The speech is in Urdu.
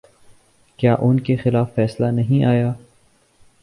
کیا ان کے خلاف فیصلہ نہیں آیا؟